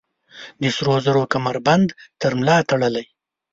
د سروزرو کمربند تر ملا تړلي